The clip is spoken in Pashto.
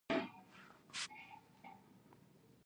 آیا د سپینو زرو ګاڼې هم نه کارول کیږي؟